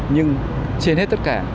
nhưng trên hết tất cả